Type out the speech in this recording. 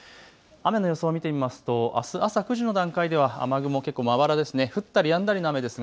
雨の予想を見てみますとあす朝９時の段階では雨雲、結構まばらです。